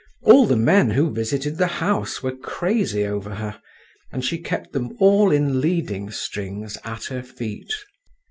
All the men who visited the house were crazy over her, and she kept them all in leading strings at her feet.